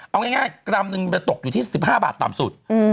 เอาง่ายกรัมนึงมันจะตกอยู่ที่๑๕บาทต่ำสุด